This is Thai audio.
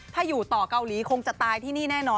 ถ้าอยู่ต่อเกาหลีคงจะตายที่นี่แน่นอน